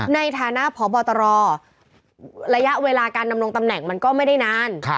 ในฐานะพบตรระยะเวลาการดำรงตำแหน่งมันก็ไม่ได้นาน